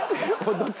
どっち？